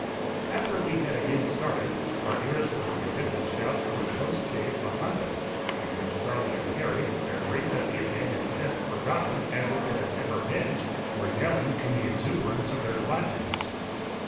After we had again started, our ears were invaded with shouts from the post chaise behind us, in which Charlie and Harry, their grief at the abandoned chest forgotten as if it had never been, were yelling in the exuberance of their gladness.